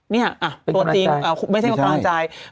เนี่ยตัวจริงไม่ใช่ว่ากำลังใจ